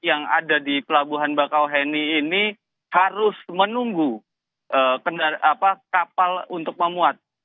yang ada di pelabuhan bakauheni ini harus menunggu kapal untuk memuat